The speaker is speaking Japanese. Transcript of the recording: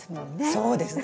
そうですね。